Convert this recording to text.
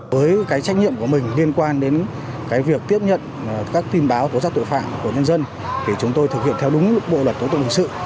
với cái trách nhiệm của mình liên quan đến cái việc tiếp nhận các tin báo tố giác tội phạm của nhân dân thì chúng tôi thực hiện theo đúng bộ luật tố tụng hình sự